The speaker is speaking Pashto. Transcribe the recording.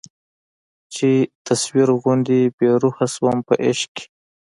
چي تصویر غوندي بې روح سومه په عشق کي